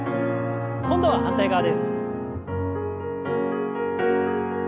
今度は反対側です。